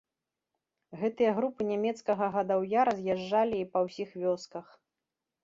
Гэтыя групы нямецкага гадаўя раз'язджалі і па ўсіх вёсках.